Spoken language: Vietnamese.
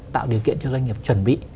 tạo điều kiện cho doanh nghiệp chuẩn bị